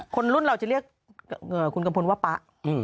คนรุ่นเราจะเรียกคุณกัมพลว่าป๊า